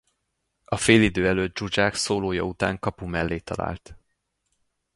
A félidő előtt Dzsudzsák szólója után kapu mellé talált.